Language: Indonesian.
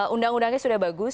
undang undangnya sudah bagus